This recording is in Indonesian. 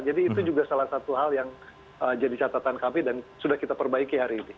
jadi itu juga salah satu hal yang jadi catatan kami dan sudah kita perbaiki hari ini